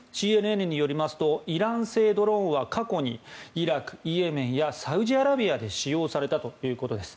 ＣＮＮによりますとイラン製ドローンは過去にイラク、イエメンやサウジアラビアで使用されたということです。